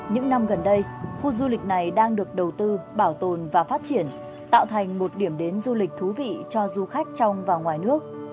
những năm gần đây khu du lịch này đang được đầu tư bảo tồn và phát triển tạo thành một điểm đến du lịch thú vị cho du khách trong và ngoài nước